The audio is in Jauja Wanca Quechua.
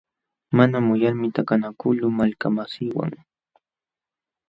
Mana muyalmi takanakuqluu malkamasiiwan.